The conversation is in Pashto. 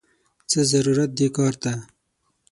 څه ضرورت دې کار ته!!